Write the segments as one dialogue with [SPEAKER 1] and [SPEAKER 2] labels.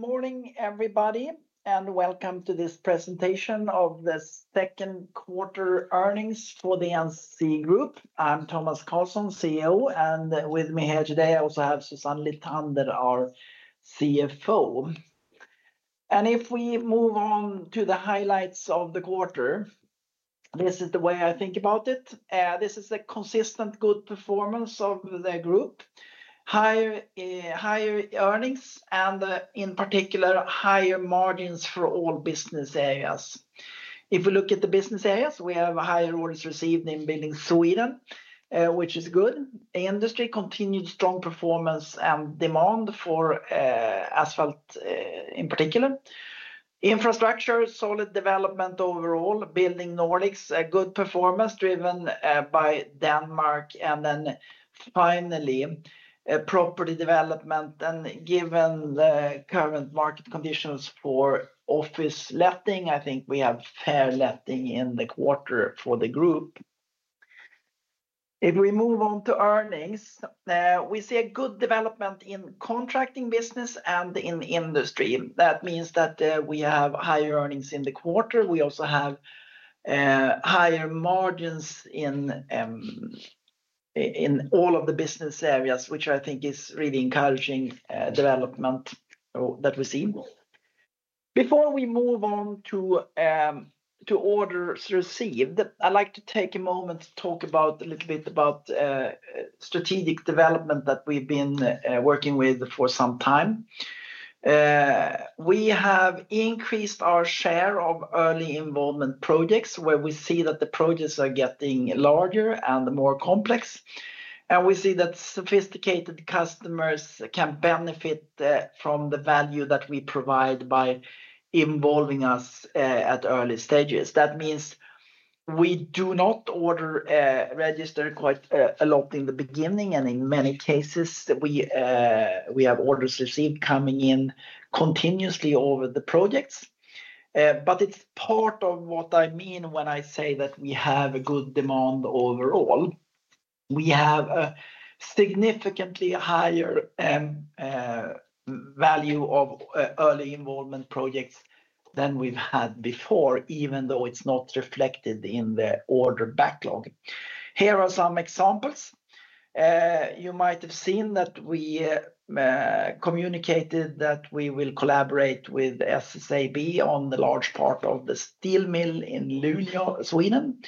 [SPEAKER 1] Good morning, and welcome to this presentation of the second quarter earnings for the E and C Group. I'm Thomas Carlson, CEO. And with me here today, I also have Susann Litander, our CFO. And if we move on to the highlights of the quarter, this is the way I think about it. This is a consistent good performance of the group, higher earnings and in particular higher margins for all business areas. If we look at the business areas, we have higher orders received in Building Sweden, which is good. Industry continued strong performance and demand for asphalt in particular. Infrastructure, solid development overall. Building Nordics, a good performance driven by Denmark. And then finally, property development and given the current market conditions for office letting, I think we have fair letting in the quarter for the group. If we move on to earnings, we see a good development in contracting business and in the industry. That means that we have higher earnings in the quarter. We also have higher margins in all of the business areas, which I think is really encouraging development that we see. Before we move on to orders received, I'd like to take a moment to talk about a little bit about strategic development that we've been working with for some time. We have increased our share of early involvement projects where we see that the projects are getting larger and more complex. And we see that sophisticated customers can benefit from the value that we provide by involving us at early stages. That means we do not order register quite a lot in the beginning and in many cases, have orders received coming in continuously over the projects. But it's part of what I mean when I say that we have a good demand overall. We have a significantly higher value of early involvement projects than we've had before even though it's not reflected in the order backlog. Here are some examples. You might have seen that we communicated that we will collaborate with SSAB on the large part of the steel mill in Lunya, Sweden.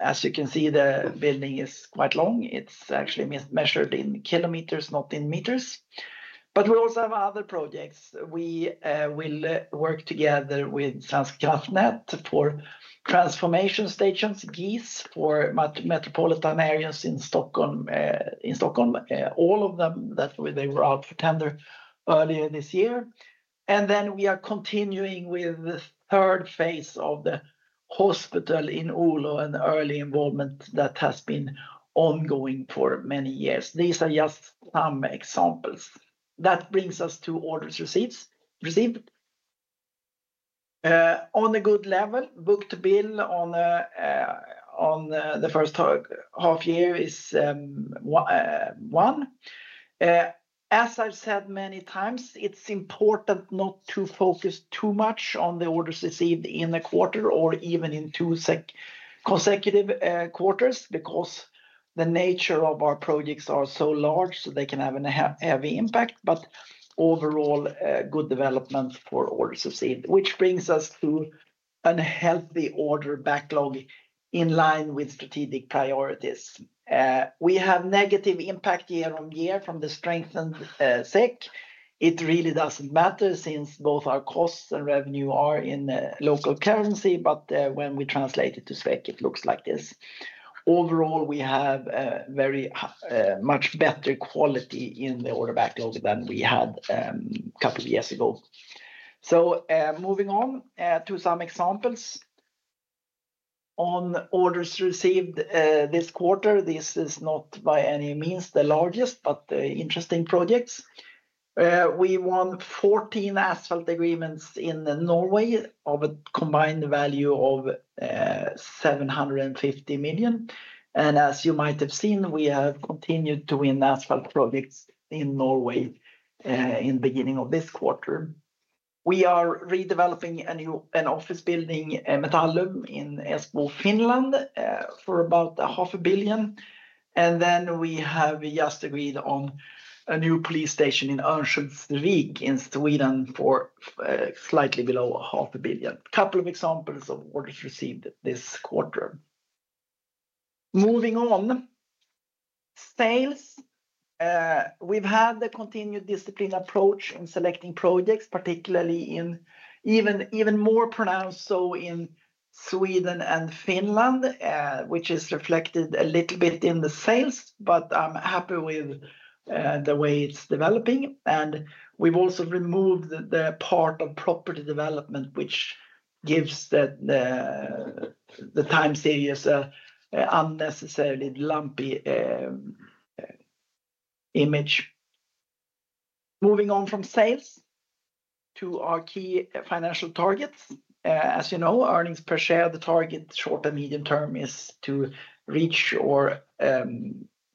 [SPEAKER 1] As you can see, the building is quite long. It's actually measured in kilometers, not in meters. But we also have other projects. We will work together with SanskraftNet for transformation stations, GIS for metropolitan areas in Stockholm, all of them that they were out for tender earlier this year. And then we are continuing with the third phase of the hospital in Ullo and early involvement that has been ongoing for many years. These are just some examples. That brings us to orders received On a good level, book to bill on the first half year is one. As I've said many times, it's important not to focus too much on the orders received in the quarter or even in two consecutive quarters because the nature of our projects are so large, so they can have a heavy impact, but overall good development for orders received, which brings us to unhealthy order backlog in line with strategic priorities. We have negative impact year on year from the strengthened SEK. It really doesn't matter since both our costs and revenue are in local currency, but when we translate it to SEK, it looks like this. Overall, we have very much better quality in the order backlog than we had a couple of years ago. So moving on to some examples. On orders received this quarter, this is not by any means the largest, but interesting projects. We won 14 asphalt agreements in Norway of a combined value of million. And as you might have seen, we have continued to win asphalt projects in Norway in the beginning of this quarter. We are redeveloping an office building, Metallum, in Espoo, Finland for about 0.5 billion. And then we have just agreed on a new police station in Auschwitznvig in Sweden for slightly below SEK $05,000,000,000. A couple of examples of orders received this quarter. Moving on, sales, we've had the continued disciplined approach in selecting projects, particularly in even more pronounced so in Sweden and Finland, which is reflected a little bit in the sales, but I'm happy with the way it's developing. And we've also removed the part of property development, which gives the time series unnecessarily lumpy image. Moving on from sales to our key financial targets. As you know, earnings per share, the target short and medium term is to reach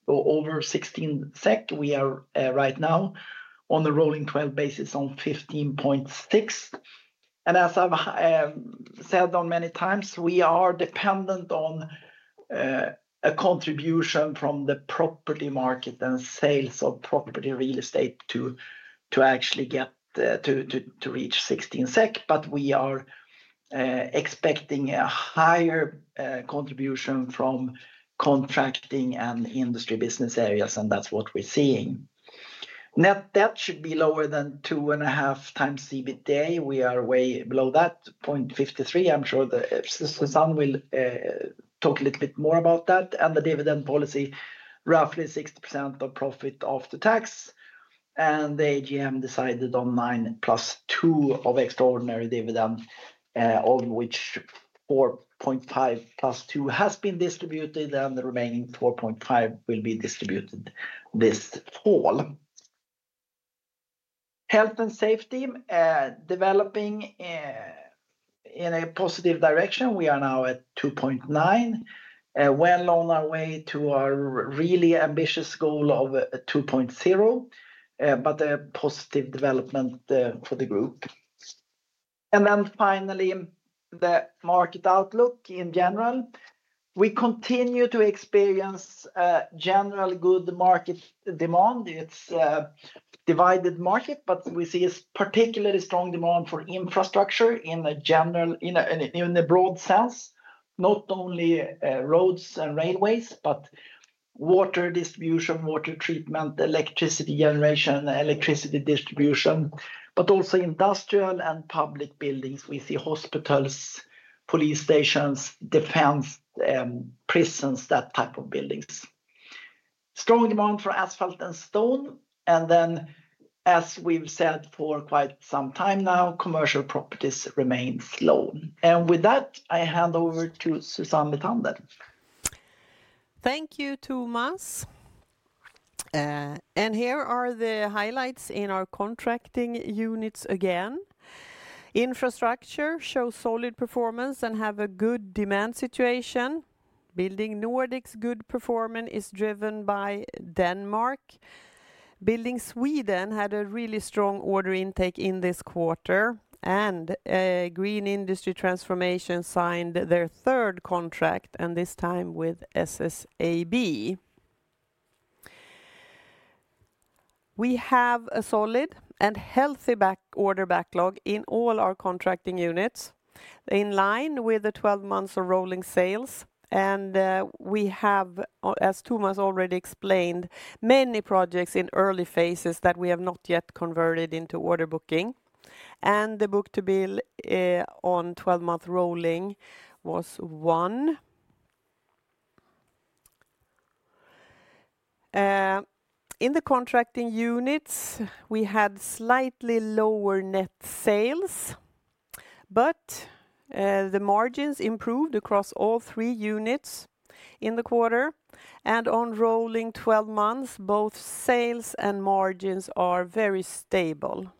[SPEAKER 1] or over 16 SEK. We are right now on the rolling 12 basis on 15.6. And as I've said on many times, we are dependent on a contribution from the property market and sales of property real estate to actually get to reach 16 SEK, but we are expecting a higher contribution from contracting and industry business areas and that's what we're seeing. Net debt should be lower than 2.5 times EBITDA, we are way below that, 0.53, I am sure Sassan will talk a little bit more about that. And the dividend policy, roughly 60% of profit after tax and the AGM decided on minus 2% of extraordinary dividend, of which 4.5 plus 2% has been distributed and the remaining 4.5 billion will be distributed this fall. Health and safety, developing in a positive direction. We are now at 2.9, well on our way to our really ambitious goal of two point zero, but a positive development for the group. And then finally, the market outlook in general, we continue to experience general good market demand. It's a divided market, but we see a particularly strong demand for infrastructure in broad sense, not only roads and railways, but water distribution, water treatment, electricity generation, electricity distribution, but also industrial and public buildings. We see hospitals, police stations, defense, prisons, that type of buildings. Strong demand for asphalt and stone. And then as we've said for quite some time now, commercial properties remain slow. And with that, I hand over to Susanne Matanden.
[SPEAKER 2] Thank you, Thomas. And here are the highlights in our contracting units again. Infrastructure shows solid performance and have a good demand situation. Building Nordics, good performance is driven by Denmark. Building Sweden had a really strong order intake in this quarter. And Green Industry Transformation signed their third contract and this time with SSAB. We have a solid and healthy order backlog in all our contracting units, in line with the twelve months of rolling sales. And we have, as Thomas already explained, many projects in early phases that we have not yet converted into order booking. And the book to bill on twelve month rolling was one. In the contracting units, we had slightly lower net sales, but the margins improved across all three units in the quarter. And on rolling twelve months, both sales and margins are very stable.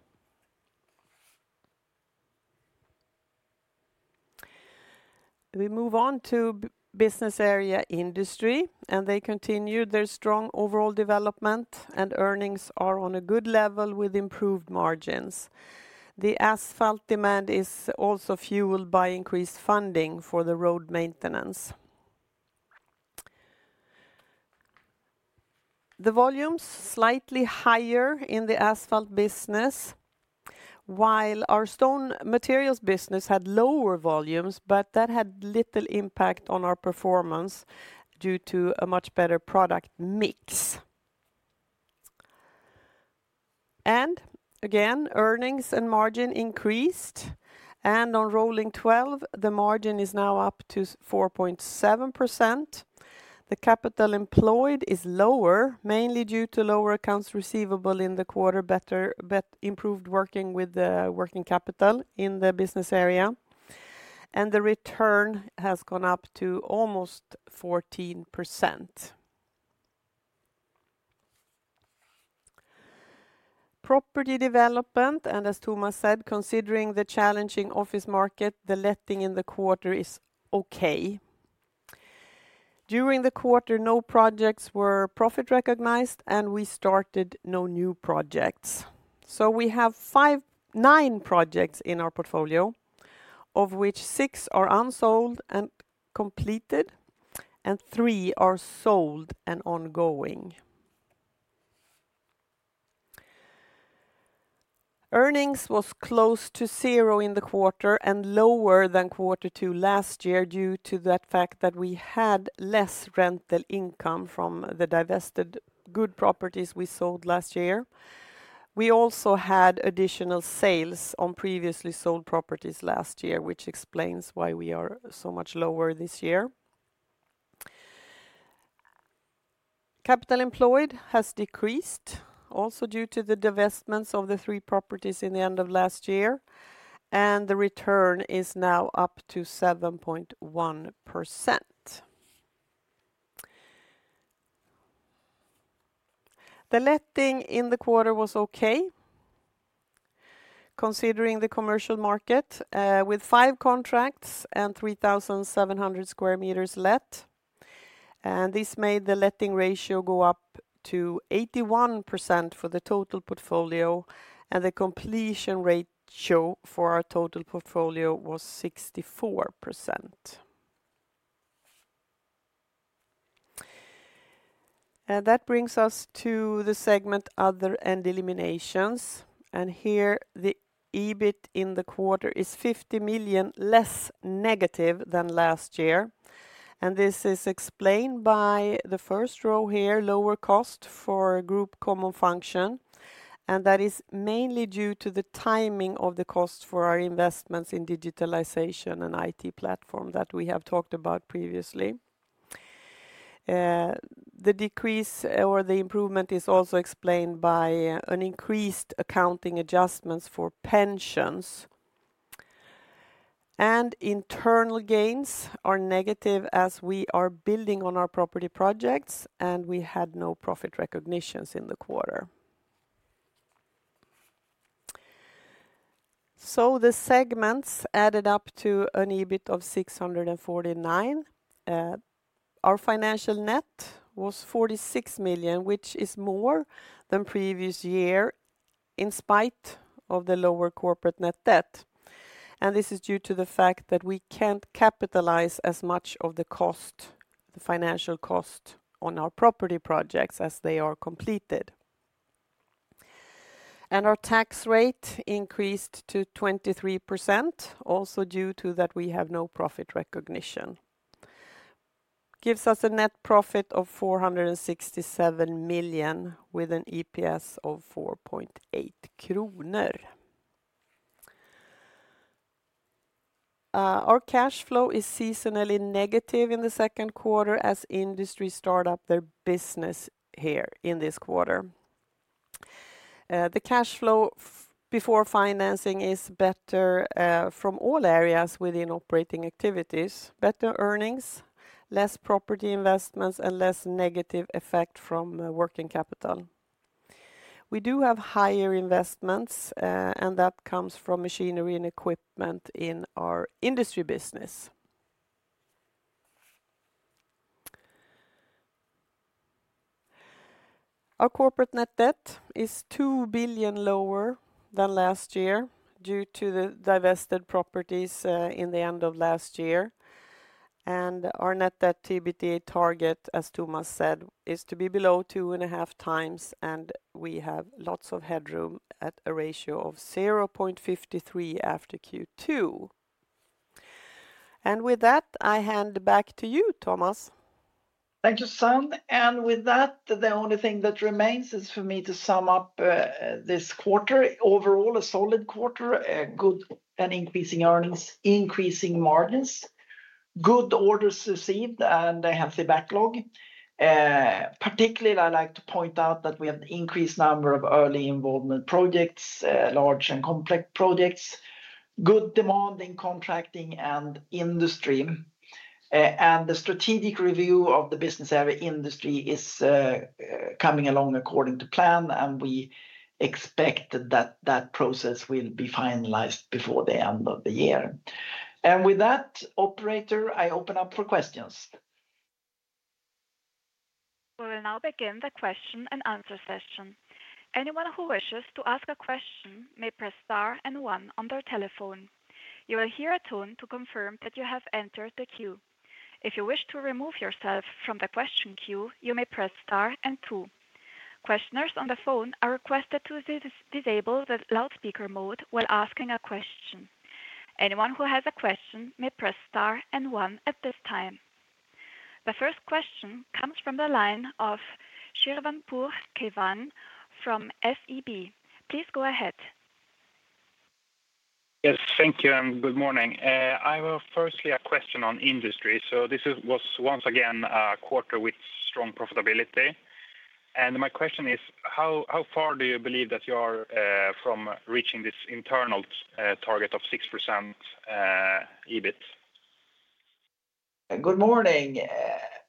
[SPEAKER 2] We move on to Business Area Industry, and they continued their strong overall development and earnings are on a good level with improved margins. The asphalt demand is also fueled by increased funding for the road maintenance. The volumes, slightly higher in the asphalt business. While our Stone Materials business had lower volumes, but that had little impact on our performance due to a much better product mix. And again, earnings and margin increased. And on rolling 12, the margin is now up to 4.7%. The capital employed is lower, mainly due to lower accounts receivable in the quarter, but improved working with working capital in the business area. And the return has gone up to almost 14%. Property development. And as Thoma said, considering the challenging office market, the letting in the quarter is okay. During the quarter, no projects were profit recognized and we started no new projects. So we have nine projects in our portfolio, of which six are unsold and completed and three are sold and ongoing. Earnings was close to zero in the quarter and lower than quarter two last year due to the fact that we had less rental income from the divested good properties we sold last year. We also had additional sales on previously sold properties last year, which explains why we are so much lower this year. Capital employed has decreased also due to the divestments of the three properties in the end of last year and the return is now up to 7.1%. The letting in the quarter was okay, considering the commercial market with five contracts and 3,700 square meters let. And this made the letting ratio go up to 81% for the total portfolio and the completion ratio for our total portfolio was 64%. That brings us to the segment Other and Eliminations. And here the EBIT in the quarter is €50,000,000 less negative than last year. And this is explained by the first row here lower cost for group common function and that is mainly due to the timing of the cost for our investments in digitalization and IT platform that we have talked about previously. The decrease or the improvement is also explained by an increased accounting adjustments for pensions. And internal gains are negative as we are building on our property projects and we had no profit recognitions in the quarter. So the segments added up to an EBIT of $6.49 Our financial net was €46,000,000 which is more than previous year in spite of the lower corporate net debt. And this is due to the fact that we can't capitalize as much of the cost the financial cost on our property projects as they are completed. And our tax rate increased to 23% also due to that we have no profit recognition. Gives us a net profit of $467,000,000 with an EPS of 4.8 kronor. Our cash flow is seasonally negative in the second quarter as industry start up their business here in this quarter. The cash flow before financing is better from all areas within operating activities: better earnings, less property investments and less negative effect from working capital. We do have higher investments and that comes from machinery and equipment in our industry business. Our corporate net debt is $2,000,000,000 lower than last year due to the divested properties in the end of last year. And our net debt to EBITDA target, as Thomas said, is to be below 2.5 times and we have lots of headroom at a ratio of 0.53 after Q2. And with that, I hand back to you, Thomas.
[SPEAKER 1] Thank you, Sandd. And with that, the only thing that remains is for me to sum up this quarter. Overall, a solid quarter, good and increasing earnings, increasing margins, good orders received and a healthy backlog. Particularly, I'd like to point out that we have increased number of early involvement projects, large and complex projects, good demand in contracting and industry. And the strategic review of the business area industry is coming along according to plan and we expect that that process will be finalized before the end of the year. And with that, operator, I open up for questions.
[SPEAKER 3] We will now begin the question and answer session. Session. The first question comes from the line of Chirvan Pour Kevan from SEB. Please go ahead.
[SPEAKER 4] Yes, thank you and good morning. I have firstly a question on industry. So this was once again a quarter with strong profitability. And my question is how far do you believe that you are from reaching this internal target of 6% EBIT?
[SPEAKER 1] Good morning.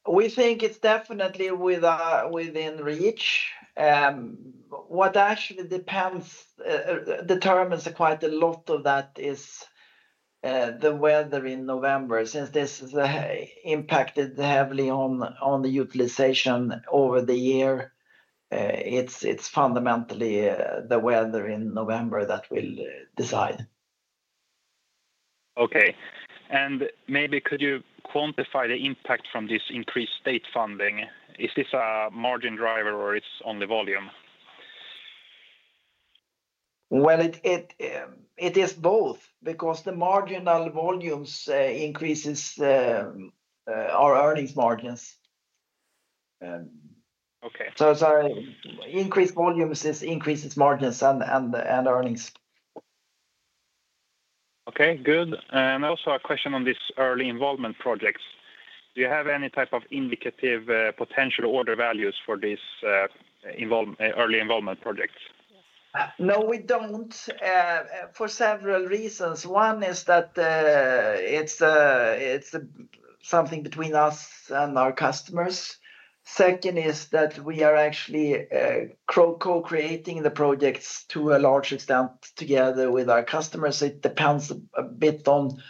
[SPEAKER 1] We think it's definitely within reach. What actually depends determines quite a lot of that is the weather in November since this has impacted heavily on the utilization over the year. It's fundamentally the weather in November that will decide.
[SPEAKER 4] Okay. And maybe could you quantify the impact from this increased state funding? Is this a margin driver or it's on the volume?
[SPEAKER 1] Well, is both because the marginal volumes increases our earnings margins.
[SPEAKER 4] Okay.
[SPEAKER 1] So sorry, increased volumes increases margins and earnings.
[SPEAKER 4] Okay, good. And also a question on this early involvement projects. Do you have any type of indicative potential order values for this early involvement projects?
[SPEAKER 1] No, we don't for several reasons. One is that it's something between us and our customers. Second is that we are actually co creating the projects to a large extent together with our customers. It depends a bit on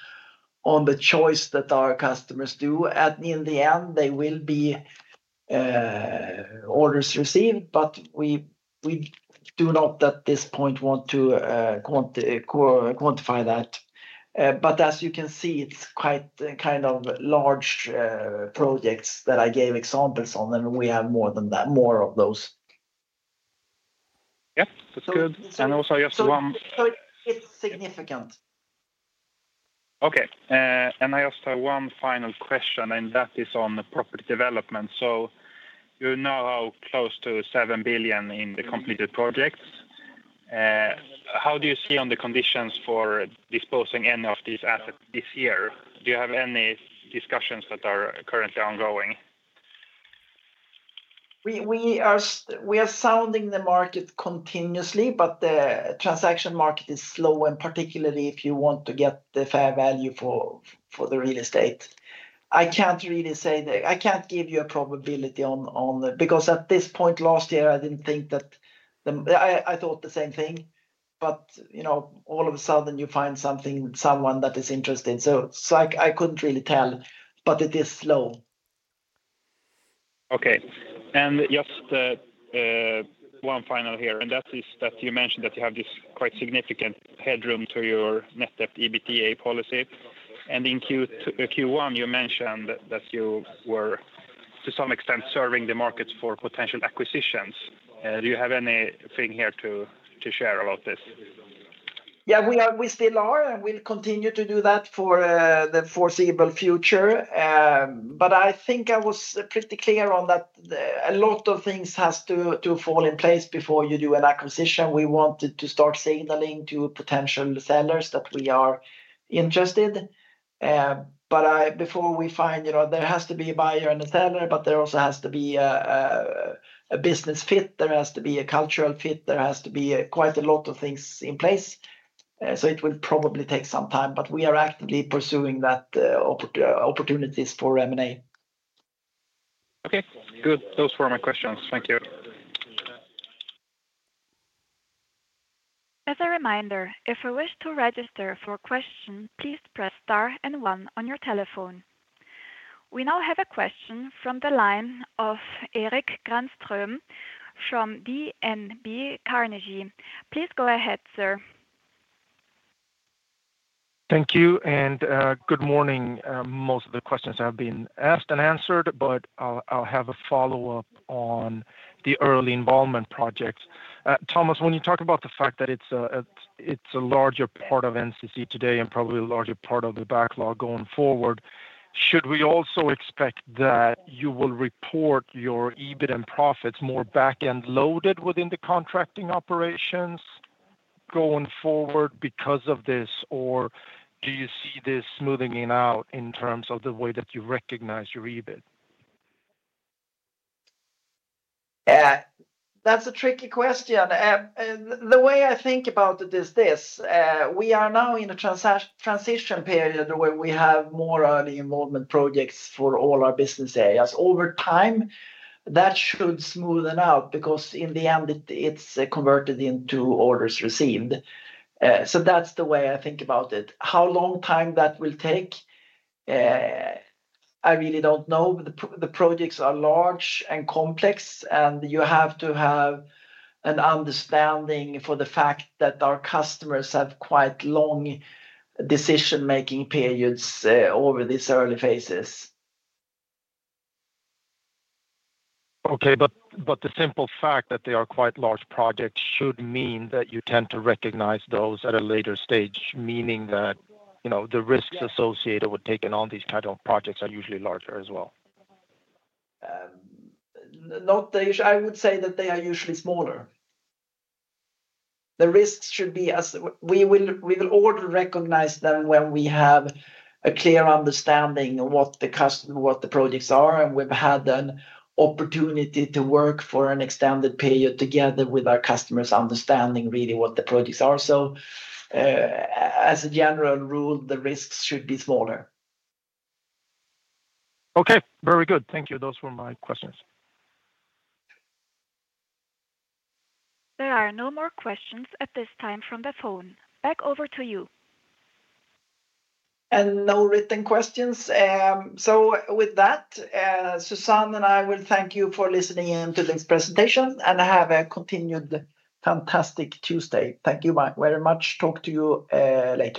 [SPEAKER 1] the choice that our customers do. And in the end, they will be orders received, but we do not at this point want to quantify that. But as you can see, it's quite kind of large projects that I gave examples on them, and we have more than that more of those.
[SPEAKER 4] Yes, that's good. And also I have one So
[SPEAKER 1] it's significant.
[SPEAKER 4] Okay. And I asked one final question, and that is on the property development. So you're now close to 7,000,000,000 in the completed projects. How do you see on the conditions for disposing any of these assets this year? Do you have any discussions that are currently ongoing?
[SPEAKER 1] We are sounding the market continuously, but the transaction market is slow and particularly if you want to get the fair value for the real estate. I can't really say that I can't give you a probability on that because at this point last year, I didn't think that I thought the same thing. But all of a sudden, you find something someone that is interested. So So I couldn't really tell, but it is slow.
[SPEAKER 4] Okay. And just one final here and that is that you mentioned that you have this quite significant headroom to your net debt to EBITDA policy. And in Q1, you mentioned that you were, to some extent, serving the markets for potential acquisitions. Do you have anything here to share about this?
[SPEAKER 1] Yes, we still are, and we'll continue to do that for the foreseeable future. But I think I was pretty clear on that a lot of things has to fall in place before you do an acquisition. We wanted to start signaling to potential sellers that we are interested. But before we find there has to be a buyer and a seller, but there also has to be a business fit, there has to be a cultural fit, there has to be quite a lot of things in place. So it will probably take some time, but we are actively pursuing that opportunities for M and A.
[SPEAKER 4] Okay, good. Those were my questions. Thank you.
[SPEAKER 3] We now have a question from the line of Erik Grandstrom from DNB Carnegie. Please go ahead, sir.
[SPEAKER 5] Thank you and good morning. Most of the questions have been asked and answered, but I'll have a follow-up on the early involvement projects. Thomas, when you talk about the fact that it's a larger part of NCC today and probably a larger part of the backlog going forward, should we also expect that you will report your profits more back end loaded within the contracting operations going forward because of this? Or do you see this smoothing out in terms of the way that you recognize your EBIT?
[SPEAKER 1] That's a tricky question. The way I think about it is this. We are now in a transition period where we have more early involvement projects for all our business areas. Over time, that should smoothen out because in the end, it's converted into orders received. So that's the way I think about it. How long time that will take, I really don't know. The projects are large and complex, and you have to have an understanding for the fact that our customers have quite long decision making periods over these early phases.
[SPEAKER 5] Okay. But the simple fact that they are quite large projects should mean that you tend to recognize those at a later stage, meaning that the risks associated with taking on these kind of projects are usually larger as well?
[SPEAKER 1] Not I would say that they are usually smaller. The risks should be as we will order recognize them when we have a clear understanding of what the projects are and we've had an opportunity to work for an extended period together with our customers understanding really what the projects are. So as a general rule, the risks should be smaller.
[SPEAKER 5] Okay, very good. Thank you. Those were my questions.
[SPEAKER 3] There are no more questions at this time from the phone. Back over to you.
[SPEAKER 1] And no written questions. So with that, Susanne and I will thank you for listening in to this presentation and have a continued fantastic Tuesday. Thank you very much. Talk to you later.